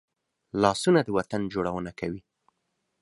لاسونه د وطن جوړونه کوي